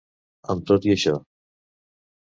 Amb tot i això.